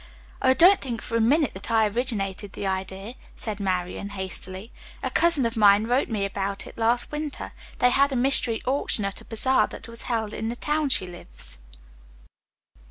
"Oh, don't think for a minute that I originated the idea," said Marian hastily. "A cousin of mine wrote me about it last winter. They had a 'Mystery Auction' at a bazaar that was held in the town she lives."